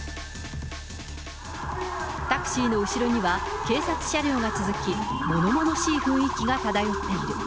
タクシーの後ろには、警察車両が続き、ものものしい雰囲気が漂っている。